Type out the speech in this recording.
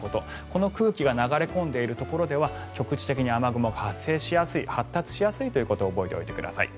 この空気が流れ込んでいるところでは局地的に雨雲が発生、発達しやすいことを覚えておいてください。